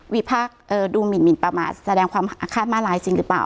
พากษ์ดูหมินประมาทแสดงความอาฆาตมาร้ายจริงหรือเปล่า